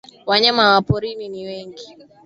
Wanyama wa porini ni wengi.